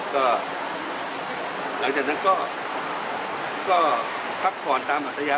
ก็หลังจากนั้นก็พักผ่อนตามหัวตะยะไตระม่